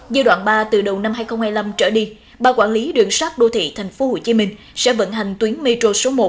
giai đoạn ba từ đầu năm hai nghìn hai mươi năm trở đi ba quản lý đường sát đô thị tp hcm sẽ vận hành tuyến metro số một